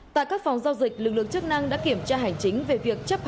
tại các phòng giao dịch lực lượng chức năng đã kiểm tra hành chính